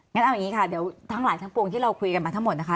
งั้นเอาอย่างนี้ค่ะเดี๋ยวทั้งหลายทั้งปวงที่เราคุยกันมาทั้งหมดนะคะ